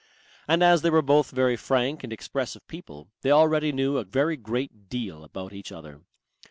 And as they were both very frank and expressive people, they already knew a very great deal about each other.